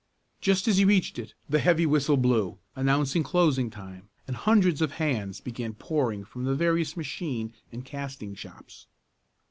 Just as he reached it the heavy whistle blew, announcing closing time, and hundreds of hands began pouring from the various machine and casting shops.